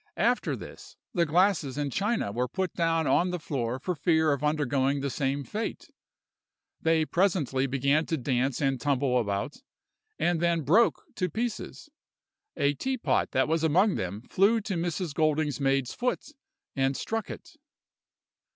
After this, the glasses and china were put down on the floor for fear of undergoing the same fate: they presently began to dance and tumble about, and then broke to pieces. A teapot that was among them flew to Mrs. Golding's maid's foot, and struck it.